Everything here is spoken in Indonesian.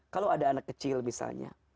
kalau ada anak kecil misalnya